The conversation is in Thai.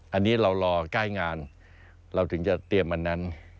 อันนี้เรารอใกล้งานเราถึงจะเตรียมอันนั้น